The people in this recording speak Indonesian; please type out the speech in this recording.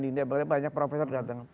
di india banyak profesor datang